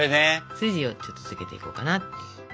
筋をちょっとつけていこうかなと。